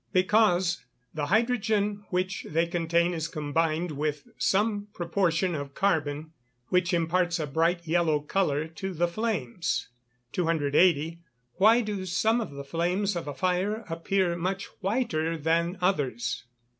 _ Because the hydrogen which they contain is combined with some proportion of carbon, which imparts a bright yellow colour to the flames. 280. _Why do some of the flames of a fire appear much whiter than others?